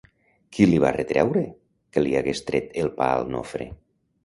Qui li va retreure que li hagués tret el pa al Nofre?